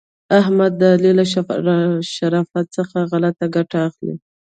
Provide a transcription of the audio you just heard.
احمد د علي له شرافت څخه غلته ګټه اخلي.